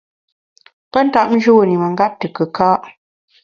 Pe ntap njûn i mengap te kùka’.